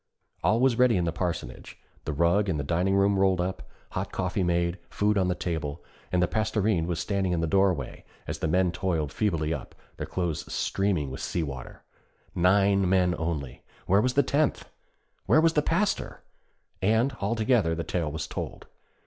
All was ready in the parsonage. The rug in the dining room rolled up, hot coffee made, food on the table; and the Pastorinde was standing in the doorway as the men toiled feebly up, their clothes streaming with sea water. Nine men only! Where was the tenth where was the Pastor? And, all together, the tale was told.